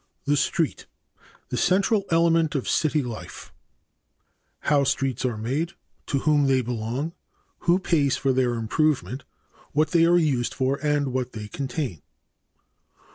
The Street the Central Element of City Life. (a) How streets are made. (b) To whom they belong. (c) Who pays for their improvement? (d) What they are used for and what they contain.